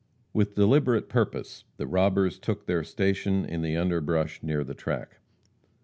With deliberate purpose the robbers took their station in the underbrush near the track.